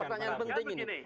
pertanyaan penting ini